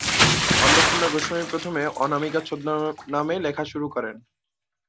অন্নপূর্ণা গোস্বামী প্রথমে "অনামিকা" ছদ্মনামে লেখা শুরু করেন।